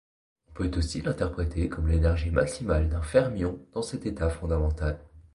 On peut aussi l'interpréter comme l'énergie maximale d'un fermion dans cet état fondamental.